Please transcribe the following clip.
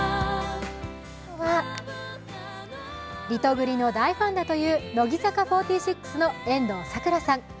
リトグリの大ファンだという乃木坂４６の遠藤さくらさん。